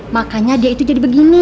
makanya dia itu jadi begini